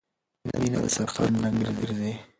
مینه د سفر خنډ نه ګرځي.